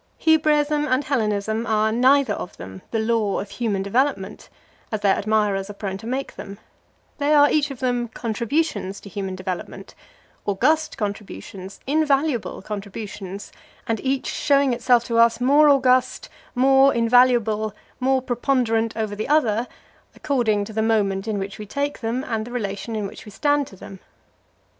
Hebraism and Hellenism are, neither of them, the law of human development, as their admirers are prone to make them; they are, each of them, contributions to human development, august contributions, invaluable contributions; and each showing itself to us more august, more invaluable, more preponderant over the other, according to the moment in which we take them, and the relation in which we stand to them.